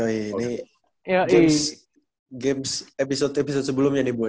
ya ini games episode episode sebelumnya nih ibu ya